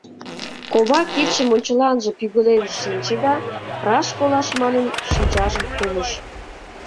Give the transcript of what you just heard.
Кова кидшым ончыланже пӱгылен шинче да, раш колаш манын, шинчажым кумыш.